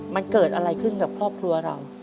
มันเกิดอะไรขึ้นกับครอบครัวเรา